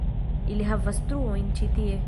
Ili havas truojn ĉi tie